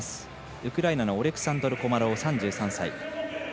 ウクライナのオレクサンドル・コマロウ。